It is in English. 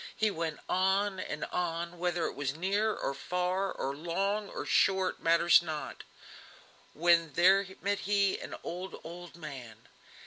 He went on and on, whether it was near or far, or long or short, matters not; when there met him an old, old man.